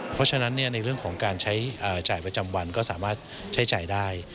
เพราะฉะนั้นในเรื่องของการใช้จ่ายประจำวันก็สามารถใช้จ่ายได้